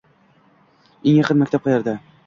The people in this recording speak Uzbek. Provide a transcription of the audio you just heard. Eng yaqin maktab qayerda?